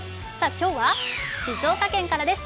今日は静岡県からです。